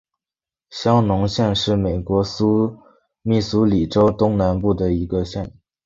香农县是美国密苏里州东南部的一个县。